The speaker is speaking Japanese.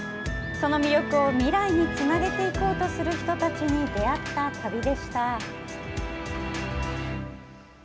その魅力を未来につなげていこうとする人たちに出会った旅でした。